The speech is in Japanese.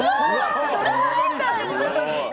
ドラマみたい！